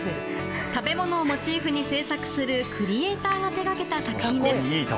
食べ物をモチーフに制作するクリエーターが手掛けた作品です。